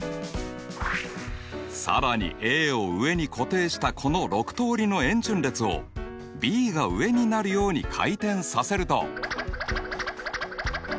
更にＡを上に固定したこの６通りの円順列をＢが上になるように回転させると。